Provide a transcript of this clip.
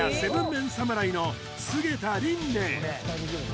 ＭＥＮ侍の菅田琳寧